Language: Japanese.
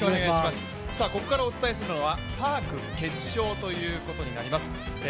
ここからお伝えするのはパーク決勝ということになります。